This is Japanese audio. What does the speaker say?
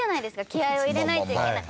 気合を入れないといけない。